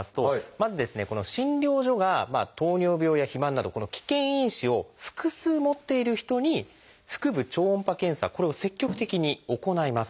この診療所が糖尿病や肥満などこの危険因子を複数持っている人に腹部超音波検査これを積極的に行います。